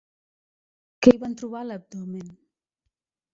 Què hi van trobar a l'abdomen?